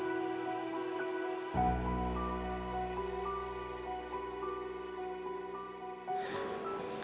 dia ada di sana